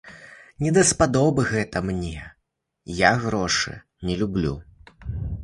Не даспадобы гэта мне, я грошы не люблю.